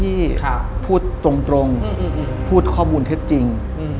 แปลกมั้ยครับว่าคนที่พูดตรงพูดข้อมูลเท็จจริง